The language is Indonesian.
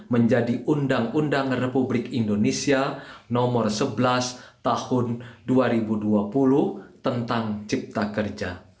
menjadi undang undang republik indonesia nomor sebelas tahun dua ribu dua puluh tentang cipta kerja